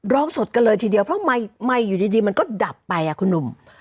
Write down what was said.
อกสดกันเลยทีเดียวเพราะไมค์อยู่ดีมันก็ดับไปคุณหนุ่ม